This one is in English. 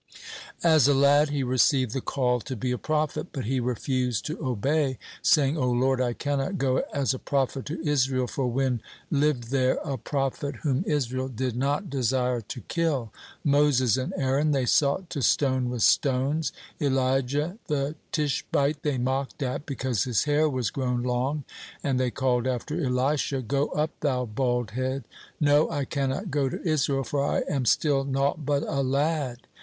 As a lad he received the call to be a prophet. But he refused to obey, saying: "O Lord, I cannot go as a prophet to Israel, for when lived there a prophet whom Israel did not desire to kill? Moses and Aaron they sought to stone with stones; Elijah the Tishbite they mocked at because his hair was grown long; and they called after Elisha, 'Go up, thou bald head' no, I cannot go to Israel, for I am still naught but a lad."